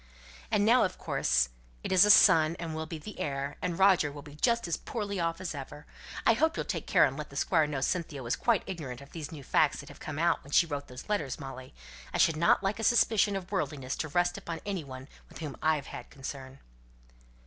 "And now of course it is a son, and will be the heir, and Roger will just be as poorly off as ever. I hope you'll take care and let the Squire know Cynthia was quite ignorant of these new facts that have come out when she wrote those letters, Molly? I should not like a suspicion of worldliness to rest upon any one with whom I had any concern."